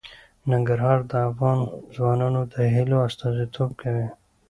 ننګرهار د افغان ځوانانو د هیلو استازیتوب کوي.